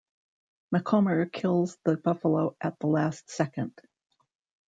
Macomber kills the buffalo at the last second.